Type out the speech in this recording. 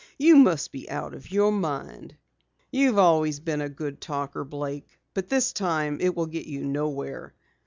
You must be out of your mind." "You've always been a good talker, Blake, but this time it will get you nowhere.